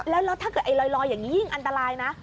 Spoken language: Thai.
แล้วถ้าเกิดไอ้ลอยอย่างนี้ยิ่งอันตรายนะ